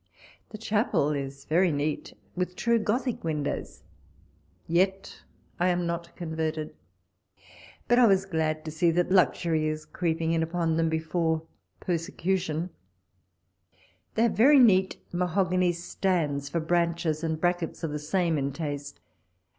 The chapel is very neat, with true Gothic win dows (yet I am not converted) ; but I was glad to see that luxury is creeping in upon them be fore persecution : they have very neat mahogany stands for branches, and brackets of the same in taste.